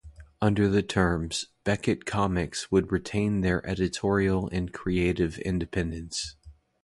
Under the terms, Beckett Comics would retain their editorial and creative independence.